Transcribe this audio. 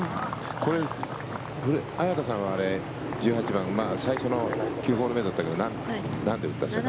これ、彩佳さん１８番、最初の９ホール目だったけどなんで打ったの？